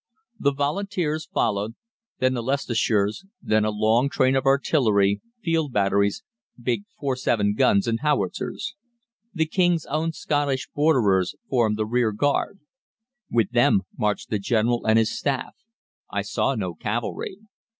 The Volunteers followed; then the Leicestershires, then a long train of artillery, field batteries, big 4·7 guns, and howitzers. The King's Own Scottish Borderers formed the rearguard. With them marched the General and his staff; I saw no cavalry.